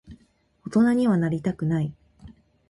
大人にはなりたくない。